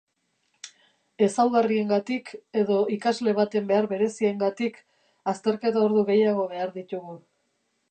Ezaugarriengatik edo ikasle baten behar bereziengatik azterketa-ordu gehiago behar ditugu.